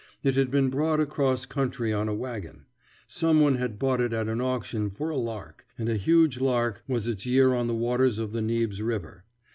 It had been brought across country on a wagon. Some one had bought it at an auction for a lark; and a huge lark was its year on the waters of the Nibs River.